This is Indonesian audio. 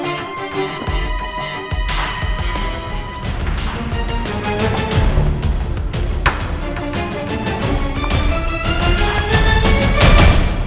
bersama main kebang